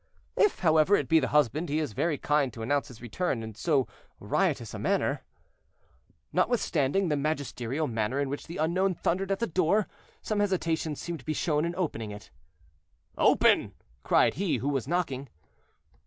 "If, however, it be the husband he is very kind to announce his return in so riotous a manner." Notwithstanding the magisterial manner in which the unknown thundered at the door, some hesitation seemed to be shown in opening it. "Open!" cried he who was knocking.